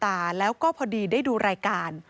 ทางสายตาแล้วก็พอดีได้ดูรายการ